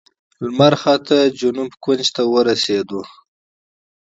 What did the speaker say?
ختیځ سهیل کونج ته ورسېدو.